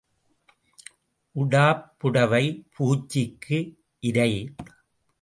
உடாப் புடைவை பூச்சிக்கு இரை.